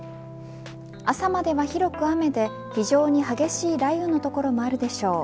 朝までは広く雨で非常に激しい雷雨の所もあるでしょう。